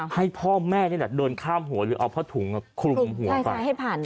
ให้พ่อแม่นี่แหละเดินข้ามหัวหรือเอาผ้าถุงคลุมหัวไป